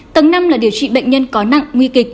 tầng năm là điều trị bệnh nhân có nặng nguy kịch